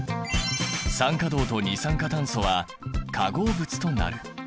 酸化銅と二酸化炭素は化合物となる。